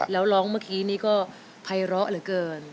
แล้วร้องเมื่อกี้นี้ก็ภัยร้อเหลือเกิน